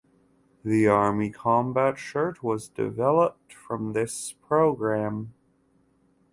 The Army Combat Shirt was developed from this program.